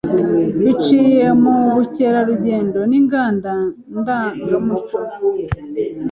biciye mu bukerarugendo n’inganda ndangamuco.